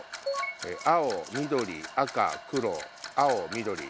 青緑赤黒青緑。